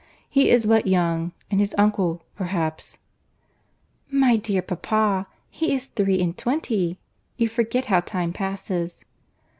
He is but young, and his uncle, perhaps—" "My dear papa, he is three and twenty. You forget how time passes."